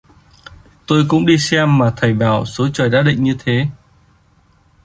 tôi cũng đi xem mà thầy bảo số trời đã định như thế